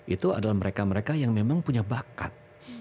itu adalah mereka mereka yang memang punya bakat